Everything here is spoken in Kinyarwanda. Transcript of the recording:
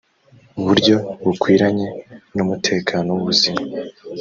buryo bukwiranye n umutekano w ubuzima